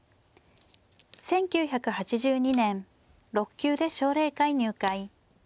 １９８２年６級で奨励会入会。